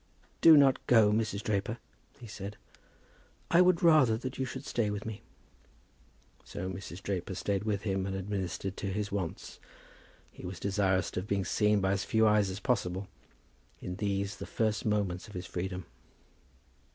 "Do not go, Mrs. Draper," he said; "I would rather that you should stay with me." So Mrs. Draper stayed with him, and administered to his wants. He was desirous of being seen by as few eyes as possible in these the first moments of his freedom.